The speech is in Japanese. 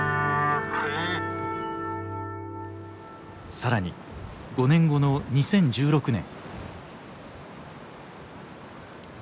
さらに５年後の２０１６年。